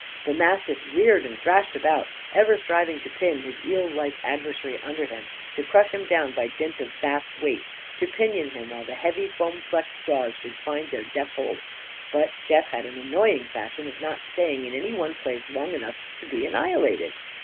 The mastiff reared and thrashed about, ever striving to pin his eel like adversary under him; to crush him down by dint of vast weight; to pinion him while the heavy foam flecked jaws should find their death hold. But Jeff had an annoying fashion of not staying in any one place long enough to be annihilated.